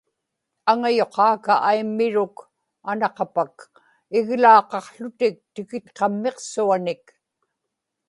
aŋayuqaaka aimmiruk anaqapak iglaaqaqłutik tikitqammiqsuanik